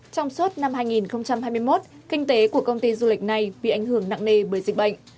trong suốt năm hai nghìn hai mươi một kinh tế của công ty du lịch này bị ảnh hưởng nặng nề bởi dịch bệnh